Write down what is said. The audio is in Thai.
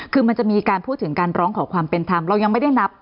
คือมันจะมีการพูดถึงการร้องขอความเป็นธรรมเรายังไม่ได้นับ